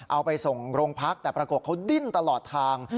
เอาไปส่งโรงพักแต่ปรากฏเขาดิ้นตลอดทาง